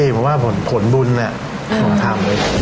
เพราะว่าผลบุญน่ะต้องทำเลย